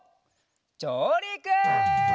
じょうりく！